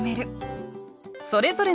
それぞれの「？」。